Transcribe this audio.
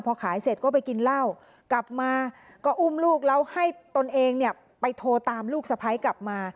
พอขายเสร็จก็ไปกินเหล้ากลับมาก็อุ้มลูกแล้วให้ตนเองเนี่ยไปโทรตามลูกสะพ้ายกลับมา